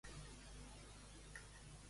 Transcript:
Com ha definit les administracions espanyoles?